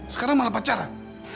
sekarang malah pacaran